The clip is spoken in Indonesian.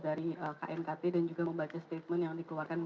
dari knkt dan juga membaca statement yang dikeluarkan